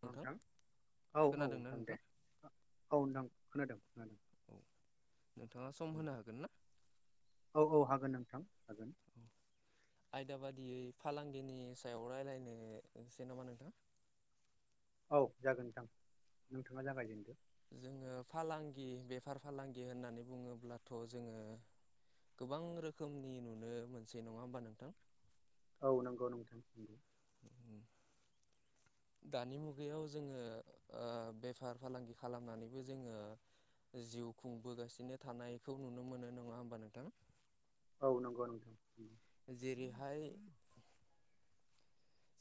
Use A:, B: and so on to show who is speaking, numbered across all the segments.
A: औ नोंथां औ औ नोंथां दे औ नोंथां खोनादों खोनादों
B: औ नोंथाङा सम होनो हागोन ना?
A: औ औ हागोन नोंथां हागोन
B: आयदा बादियै फालांगिनि सायाव रायलायनोसै नामा नोंथां
A: औ जागोन नोंथां नोंथाङा जागायजेनदो
B: जोङो फालांगि बेफार फालांगि होननानै बुङोब्लाथ' जोङो गोबां रोखोमनि नुनो मोनसै नङा होमबा नोंथां
A: औ नंगौ नोंथां
B: उम दानि मुगायाव जोङो ओ बेफार फालांगि खालामनानैबो जोङो जिउ खुंबोगासिनो थानायखौ नुनो मोनो नङा होमबा नोंथां
A: औ नंगौ नोंथां
B: जेरैहाय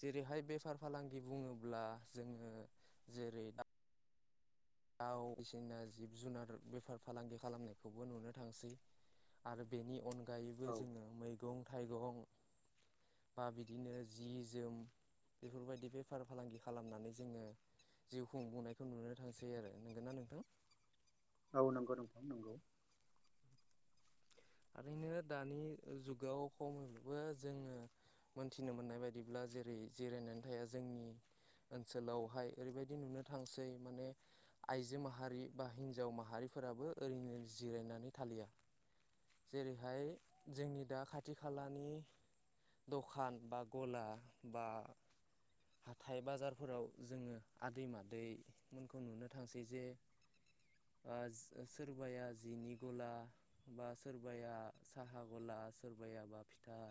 B: जेरैहाय बेफार फालांगि बुङोब्ला जोङो जेरै दाउ बिदिनो जिब जुनार बेफार फालांगि खालामनायखौबो नुनो थांसै आरो बेनि अनगायैबो
A: औ
B: जोङो मैगं थाइगं बा बिदिनो जि जोम बेफोरबायदि बेफार फालांगि खालामनानै जोङो जिउ खुंबुंनायखौ नुनो थांसै आरो नोंगोना नोंथां
A: औ नंगौ नोंथां नंगौ
B: ओरैनो दानि जुगाव खमैबो जोङो मोनथिनो मोननाय बायदिब्ला जेरै जिरायनानै थाया जोंनि ओनसोलावहाय ओरैबायदि नुनो थांसै माने आइजो माहारि बा हिन्जाव माहारिफोराबो ओरैनो जिरायनानै थालिया जेरैहाय जोंनि दा खाथि खालानि दखान बा गला बा हाथाय बाजारफोराव जोङो आदै मादैमोनखौ नुनो थांसै जे ओ सो सोरबाया जिनि गला बा सोरबाया साहा गला सोरबायाबा फिथा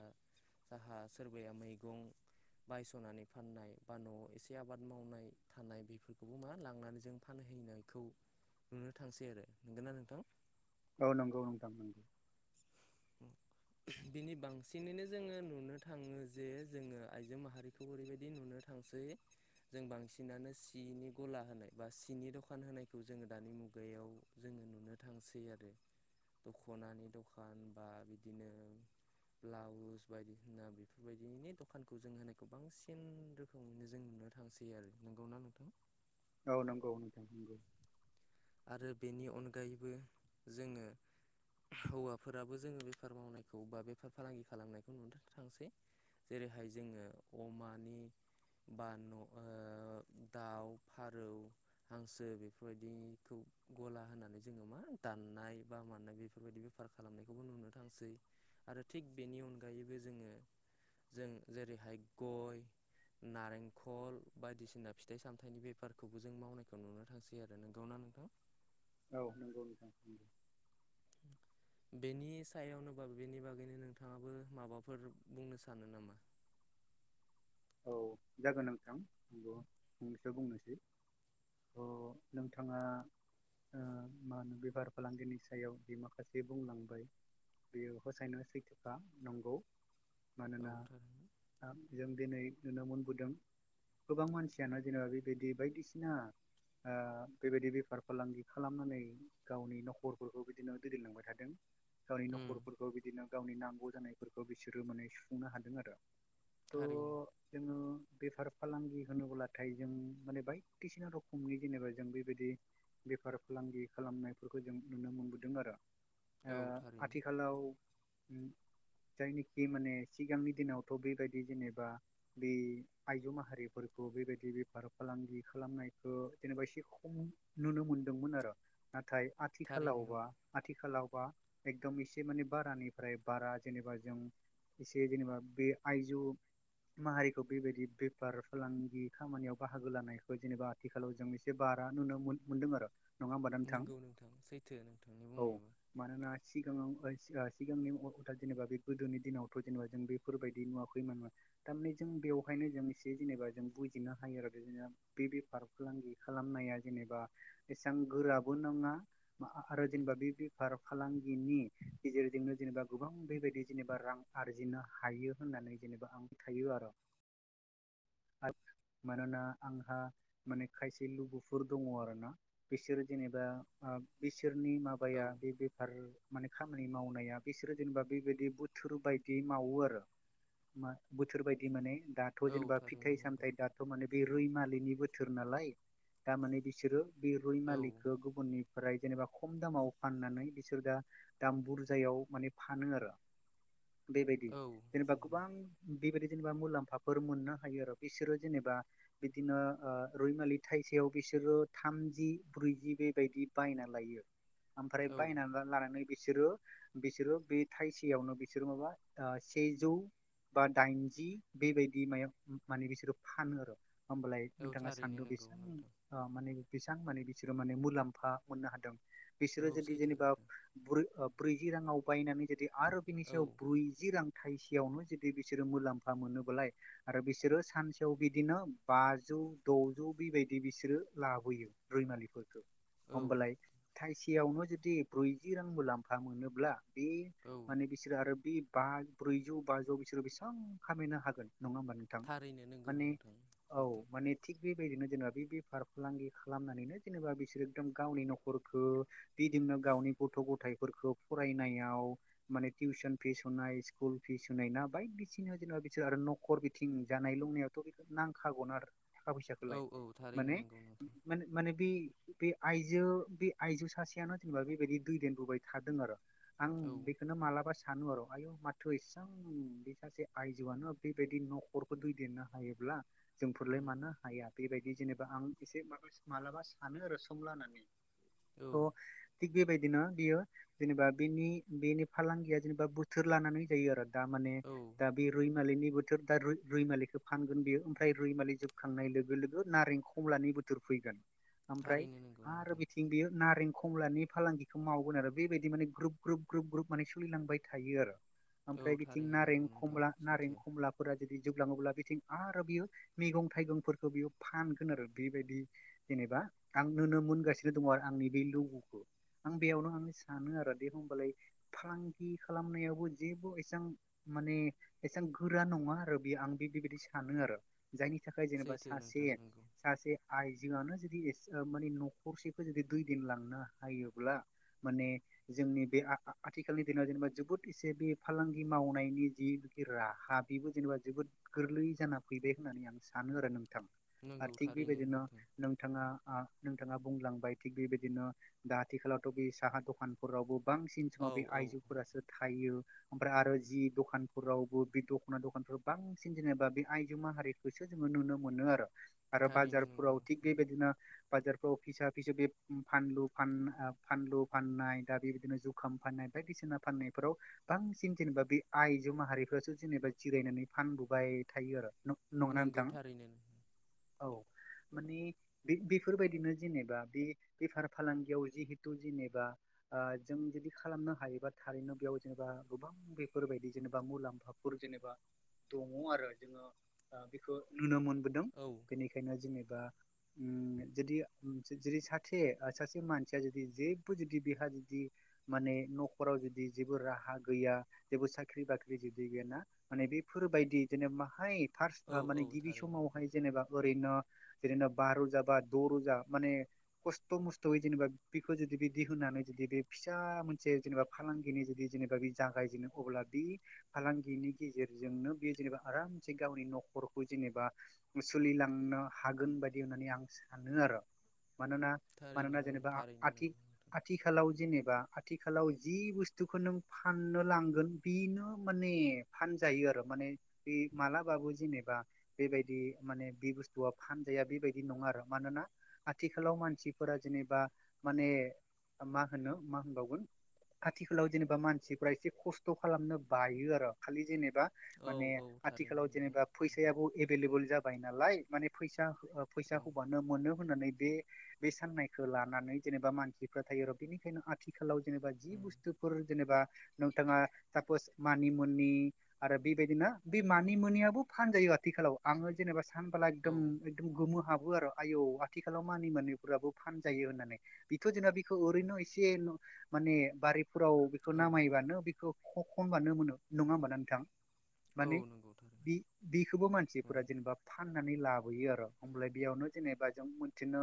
B: साहा सोरबाया मैगं बायस'नानै फाननाय बा न'वाव एसे आबाद मावनाय थानाय बेफोरखौबो मा लांनानै जों फानहैनायखौ नुनो थांसै आरो नोंगोना नोंथां।
A: औ नंगौ नोंथां
B: उम दिनै बांसिनैनो जोङो नुनो थाङो जे जोङो आइजो माहारि खौ ओरैबायदि नुनो थांसै जों बांसिनानो सिनि गला होनाय बा सिनि दखान होनायखौ जोङो दानि मुगायाव जोङो नुनो थांसै आरो दख'नानि दखान बा बिदिनो ब्लाउस बायदिसिना बेफोरबायदिनि दखानखौ जों होनायखौ बांसिन रो खोमैनो जों नुनो थांसै आरो नंगौना नोंथां?
A: औ नंगौ नोंथां
B: आरो बेनि अनगायैबो जोङो हौवाफोराबो जोङो बेफार मावनायखौ बा बेफार फालांगि खालामनायखौ नुनो थांसै। जेरैहाय जोङो अमानि बा न' ओ दाउ फारौ हांसो बेफोरबायदिखौ गला होनानै जोङो मा दाननाय बा मानाय बे फोरबायदि बेफार खालामनायखौबो नुनो थांसै आरो थिग बेनि अनगायैबो जोङो जों जेरैहाय गय नारेंखल बायदिसिना फिथाइ सामथाइनि बेफारखौबो जों मावनायखौ नुनो थांसै आरो नोंगौना नोंथां?
A: औ नंगौ नोंथां नंगौ।
B: [inaudible] बेनि सायावनो बा बेनि बागैनो नोंथाङाबो माबाफोर बुंनो सानो नामा?
A: औ जागोन नोंथां आंबो फंनैसो बुंनोसै अ नोंथाङा ओ मा होनो बेफार फालांगिनि सायाव जि माखासे बुंलांबाय बेयो खसायना सैथोखा नंगौ।
B: औ
A: मानोना
B: थारैनो
A: ओ जों दिनै नुनो मोनबोदों। गोबां मानसियानो जेनेबा बेबायदि बायदिसिना ओ बेबायदि बेफार फालांगि खालामनानै गावनि नखरफोरखौ बिदिनो दैदेनलांबाय थादों। गावनि
B: उम
A: नखरफोरखौ बिदिनो गावनि नांगौ जानायफोरखौ बिसोरो माने सुफुंनो हादों आरो। थ'
B: थारैनो
A: जोङो बेफार फालांगि होनोब्लाथाय जों माने बायदिसिना रोखोमनि जेनेबा जों बेबायदि बेफार फालांगि खालामनायफोरखौ जों नुनो मोनबोदों आरो।
B: औ
A: ओ
B: थारैनो
A: आथिखालाव जायनोखि माने सिगांनि दिनावथ' बेबायदि जेनेबा बे आइजो माहारिफोरखौ बेबायदि बेफार फालांगि खालामनायखो जेनेबा एसे खम नुनो मोन्दोंमोन आरो नाथाय
B: थारैनो
A: आथिखालावबा
B: औ
A: आथिखालावबा एकदम एसे माने बारानिफ्राय बारा जेनेबा जों एसे जेनेबा बे आइजो माहारिखौ बेबायदि बेफार फालांगि खामानियाव बाहागो लानायखौ जेनेबा आथिखालाव जों एसे बारा नुनो मोन मोनदों आरो नङा होमबा
B: नंगौ नोंथां सैथो नोंथांनि
A: औ
B: बुंनायाबो
A: मानोना सिगाङाव सिगांनि अथा जेनेबा बे गोदोनि दिनावथ' जेनेबा जों बेफोरबायदि नुवाखैनोमोन थारमाने जों बेवहायनो जों एसे जेनेबा जों बुजिनो हायो आरो जों बे बेफार फालांगि खालामनाया जेनेबा एसेबां गोराबो नङा माहा आरो जेनेबा बि बि बेफार फालांगिनि गेजेरजोंनो जेनेबा गोबां बेबायदि जेनेबा रां आरजिनो हायो। होननानै जेनेबा आं फोथायो आरो मानोना आंहा माने खायसे लोगोफोर दङ आरो ना बिसोर जेनेबा बिसोरनि
B: औ
A: माबाया बे बेफार माने खामानि मावनाया बिसोरो जेनेबा बेबायदि बोथोर बायदियै मावो आरो मा बोथोर बायदि माने दाथ'
B: औ
A: जेनेबा
B: थारैनो
A: फिथाइ
B: नंगौ
A: सामथाइ दा थ' माने बे रैमालिनि बोथोर नालाय दा माने बिसोरो बे
B: औ
A: रैमालिखौ गुबुननि फ्राय जेनेबा खम दामाव फाननानै बिसोर दा दाम बुरजायाव माने फानो आरो बेबायदि
B: औ
A: जेनेबा गोबां बेबायदि जेनेबा मुलाम्फाफोर मोननो हायो आरो बिसोरो जेनेबा बिदिनो ओ रैमालि थाइसेयाव बिसोरो थामजि ब्रैजि बेबायदि बायना लायो ओमफ्राय
B: औ
A: बायनानै लानानै बिसोरो बिसोरो बे थाइसेयावनो बिसोरो माबा सेजौ बा दाइनजि बेबायदि मायाव माने बिसोरो फानो आरो होमबालाय
B: औ
A: नोंथाङा
B: थारैनो
A: सान्दो
B: नंगौ
A: बेसेबां
B: नोंथां
A: आ माने बेसां माने बिसोरो माने मुलाम्फा मोननो हादों बिसोरो
B: औ
A: जुदि
B: सैथो
A: जेनेबा ब्रै ओ ब्रैजि राङाव बायनानै जुदि आरो बिनि
B: औ
A: सायाव ब्रुजि रां थाइसेयावनो जुदि दि बिसोरो मुलाम्फा मोनोबालाय आरो बिसोरो सानसेयाव बिदिनो बाजौ द'जौ बेबायदि बिसोरो लाबोयो। रैमालिफोरखो
B: औ
A: होमबालाय थाइसेयावनो जुदि ब्रैजि रां मुलाम्फा मोनोब्ला बे
B: औ
A: माने बिसोरो आरो बे बा ब्रैजौ बाजौ सोरो बेसां खामायनो हागोन नङा होमबा नोंथां
B: थारैनो नंगौ
A: माने
B: नोंथां
A: औ
B: सैथो
A: माने थिग बेबायदिनो जेनेबा बे बेफार फालांगि खालामनानैनो जेनेबा बिसोर एकदम गावनि न'खरखौ बिदिनो गावनि गथ' गथायफोरखौ फरायनायाव माने टिउसन फिस होनाय स्कुल फिस होनाय ना बायदिसिना जेनेबा बिसोर आरो न'खर बिथिं जानाय लोंनायावथ' बेखौ नांखागौनो आरो थाखा
B: औ
A: फैसाखौलाय
B: औ थारैनो
A: माने
B: नंगौ नोंथां
A: माने माने बे बे आइजो बे आइजो सासेयानो जेनेबा बेबायदि दैदेनबोबाय थादों आरो आं
B: औ
A: बेखौनो मालाबा सानो आरो' आयु माथो इसां बे सासे आइजोआनो बेबायदि न'खरखौ दैदेननो हायोब्ला जोंफोरलाय मानो हाया बेबायदि जेनेबा आं एसे माबास मालाबा सानो आरो सम लानानै
B: औ
A: थ' थिग बेबायदि बियो जेनेबा बेनि बेनि फालांगिया जेनेबा बोथोर लानानै जायो आरो दा माने
B: औ।
A: दा बे रैमालिनि बोथोर दा रै रैमालिखौ फानगोन बियो ओमफ्राय रैमालि जोबखांनाय लोगो लोगो नारें खमलानि बोथोर फैगोन ओमफ्राय
B: थारैनो नंगौ
A: आरो
B: नोंथां
A: बि बेयो नारें खमलानि फालांगिखौ मावगोन आरो बेबायदि माने ग्रोब ग्रोब ग्रोब ग्रोब माने सोलिलांबाय थायो आरो।
B: औ थारैनो नोंगौ नोंथां सैथो।
A: खलाफोरा जुदि जोबलाङोब्ला बिथिं आरो बियो मैगं थाइगंफोरखौ बेयाव फानगोन आरो बेबायदि जेनेबा आं नो नो मोनगासिनो दङ आरो आंनि बे लोगोखौ आं बेयावनो आं सानो दे होबालाय फालांगि खालामनायावबो जेबो एसां माने एसां गोरा नङा आरो बेयो आं बे बेबायदि सानो आरो। जायनि थाखाय जेनेबा
B: सैथो
A: सासे
B: नोंथां नंगौ
A: सासे आइजोआनो जुदि एसे माने न'खरसेखौ जुदि दैदेन लांनो हायोब्ला माने जोंनि बे आ-आ आ -आथिखालनि दिनाव जेनेबा जोबोद इसे बे फालांगि मावनायनि जिबिदि राहा बेबो जेनेबा जोबोद गोरलै जाना फैबाय होननानै आं सानो आरो नोंथां।
B: नंगौ
A: आरो थिग
B: थारैनो
A: बेबायदिनो
B: नोंथां
A: नोंथाङा आ नोंथाङा बुंलांबाय थिग बेबायदिनो दा आथिखालावथ' बे साहा दखान फोरावबो बांसिन समाव
B: औ
A: बे
B: औ
A: आइजोफोरासो थायो। फ्रा आरो जि दखानफोरावबो बे दख'ना दखानफोराव बांसिन जेनेबा बे आइजो माहारिफोर खौसो जोङो नुनो मोनो आरो। आरो
B: थारैनो
A: बाजारफोराव
B: नंगौ
A: थिग बेबायदिनो बाजारफ्राव फिसा फिसौ बे फानलु फान ओ फानलु फाननाय दा बेबायदिनो खाम फाननाय बायदिसिना फाननायफोराव बांसिन जेनेबा बे आइजो माहारिफ्रासो जेनेबा जिरायनानै फानबोबाय थायो आरो न नगौना
B: नंगौ
A: नोंथा?
B: थारैनो
A: औ माने बे बे बेफोरबायदिनो जेनेबा बे बेफार फालांगियाव जिहेथु जेनेबा जों जुदि खालामनो हायोबा थारैनो बेयाव जेनेबा गोबां बेफोरबायदि जेनेबा मुलाम्फाफोर जेनेबा दङ आरो जोङो ओ बेखौ नुनो मोनबोदों।
B: औ
A: बेनिखायनो जेनेबा ओ जुदि जुदि सासे सासे मानसिया जुदि जेबो जुदि बेहा जुदि माने न'खराव जुदि जेबो राहा गैया जेबो साख्रि बाख्रि जुदि गैयाना माने बेफोरबायदि जेनेबा माहाय थार्स्ट आ
B: औ
A: माने
B: औ
A: गिबि
B: थारैनो
A: समावहाय जेनेबा ओरैनो जेरैनो बा रोजा बा द' रोजा माने खस्थ' मस्थ'यै जेनेबा बेखौ जुदि बिदि होनानै जुदि बे फिसा मोनसे जेनेबा फालांगिनि जुदि जेनेबा बे जागायजेनो अब्ला बि फालांगिनि गेजेरजोंनो बे जेनेबा आरामसे गावनि न'खरखौ जेनेबा सोलिलांनो हागोन बायदि होननानै आं सानो आरो मानोना
B: थारैनो
A: मानोना
B: ओं
A: जेनेबा
B: थारैनो
A: आथि
B: नंगौ नोंथां
A: आथिखालाव जेनेबा आथिखालाव जि बुस्थुखौ नों फाननो लांगोन बिनो माने फानजायो आरो माने बे मालाबाबो जेनेबा बेबायदि माने बे बुस्थुआ फानजाया बेबायदि नङा आरो मानोना आथिखालाव मानसिफोरा जेनेबा माने मा होनो मा होनबावगोन आथिखालाव जेनेबा मानसिफ्रा एसे खस्थ' खालामनो बायो आरो खालि जेनेबा
B: औ
A: माने
B: औ थारैनो
A: आथिखालाव
B: नंगौ
A: जेनेबा
B: नोंथां
A: फैसायाबो ऐबेललेबोल जाबाय नालाय माने फैसा हो फैसा
B: औ
A: होबानो मोनो होननानै बे- बे साननायखौ लानानै जेनेबा मानसिफ्रा थायो र बेनिखायनो आथिखालाव जेनेबा जि
B: उम
A: बुस्थुफोर जेनेबा नोंथाङा सापस मानि मुनि आरो बेबायदिनो बे मानि मोनियाबो फानजायो आथिखालाव आङो जेनेबा सानबोला
B: औ
A: एकदम गोमो हाबो आरो आयौ आथिखालाव मानि मानिफोराबो फानजायो होननानै बेथ' जेनेबा बेखौ ओरैनो
B: औ
A: एसे माने बारिफोराव बेखौ
B: औ
A: नामायबानो बेखौ ख खनबानो मोनो। नङा
B: उम
A: होनोमबा नोंथां
B: औ
A: माने
B: नंगौ थारैनो
A: बि बिखौबो
B: औ
A: मानसिफोरा
B: उम
A: जेनेबा फानानै लाबोयो आरो
B: उम
A: हमबालाइ बेयावनो जेनेबा जों मोनथिनो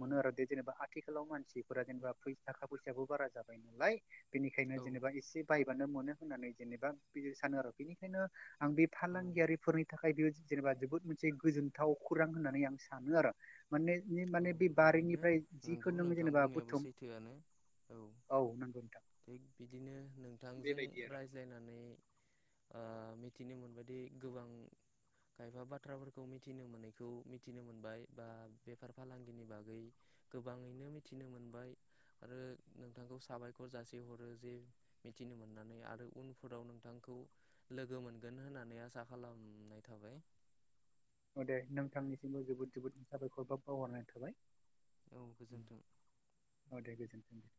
A: मोनो आरो।
B: उम
A: जेनेबा आथिखालाव मानसिफोरा जेनेबा फैसा थाखा फैसाबो बारा जाबाय नालाय बेनिखायनो
B: औ
A: जेनेबा एसे बायबानो मोनो होननानै जेनेबा बि सानो आरो बेनिखायनो आं बे
B: औ
A: फालांगियारिफोरनि थाखाय बेयो जेनेबा जोबोद मोनसे गोजोनथाव खौरां होननानै आं सानो आरो। माने
B: औ
A: माने बे
B: थारैनो
A: बारिनिफ्राय
B: नंगौ
A: जिखौ नों
B: नोंथां
A: जेनेबा
B: बुंनायाबो
A: बुथुम
B: सैथोआनो
A: औ नंगौ नोंथां।
B: थिग बिदिनो नोंथांजों
A: बेबायदि आरो
B: रायज्लायनानै ओ मिथिनो मोनबायदि गोबां खायफा बाथ्राफोरखौ मिथिनो मोनैखौ मिथिनो मोनबाय बा बेफार फालांगिनि बागै। गोबाङैनो मिथिनो मोनबाय आरो नोंथांखौ साबाय खर जासे हरो जे मिथिनो मोननानै आरो उनफोराव नोंथांखौ लोगो मोनगोन होननानै आसा खालामनाय थाबाय।
A: औ दे नोंथांनिसिमबो जोबोद जोबोद साबायखरबाब बावहरनाय थाबाय।
B: औ गोजोन्थों।
A: औ दे गोजोन्थों दे।